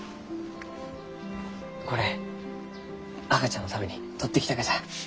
これ赤ちゃんのために採ってきたがじゃ。